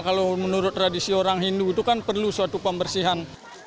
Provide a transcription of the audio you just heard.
kalau menurut tradisi orang hindu itu kan perlu suatu pembersihan